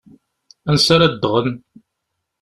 Ansa ara ddɣen?